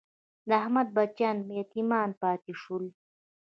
د احمد بچیان یتیمان پاتې شول.